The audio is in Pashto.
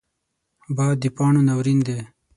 باد د پاڼو ناورین دی